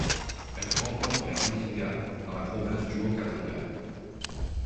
Elle se rencontre vers Lusinga dans la province du Haut-Katanga.